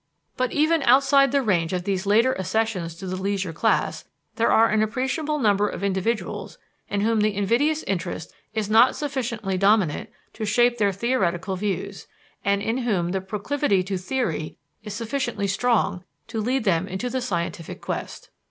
But even outside the range of these later accessions to the leisure class there are an appreciable number of individuals in whom the invidious interest is not sufficiently dominant to shape their theoretical views, and in whom the proclivity to theory is sufficiently strong to lead them into the scientific quest.